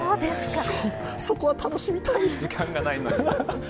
そこは楽しみたい！